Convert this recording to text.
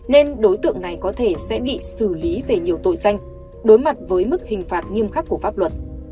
nên đối tượng này có thể sẽ bị xử lý về nhiều tội danh đối mặt với mức hình phạt nghiêm khắc của pháp luật